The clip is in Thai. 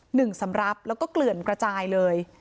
สำหรับแล้วก็เกลื่อนกระจายเลย